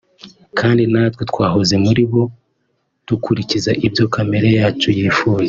Kandi natwe twahoze muri bo dukurikiza ibyo kamere yacu yifuza